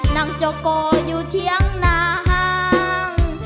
นั่งจะกออยู่เที่ยงนาง